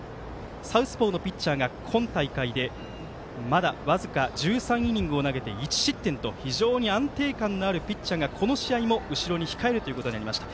サウスポーのピッチャーが今大会でまだ僅か１３イニングを投げて１失点と非常に安定感のあるピッチャーが今日も後ろに控えることになりました。